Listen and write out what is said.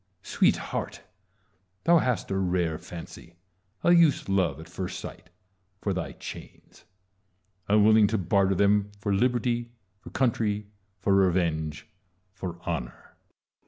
Sweetheart ! thou hast a rare fancy, a youth's love at first sight, for thy chains : unwilling to barter them for liberty, for country, for revenge, for honour.